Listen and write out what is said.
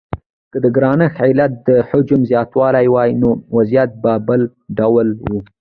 که د ګرانښت علت د حجم زیاتوالی وای نو وضعیت به بل ډول و.